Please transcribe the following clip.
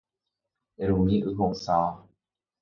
Erumi y ho’ysãva.